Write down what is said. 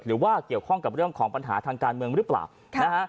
หรือว่าเกี่ยวข้องกับเรื่องของปัญหาทางการเมืองหรือเปล่านะฮะ